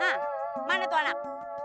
hah mana tuh anak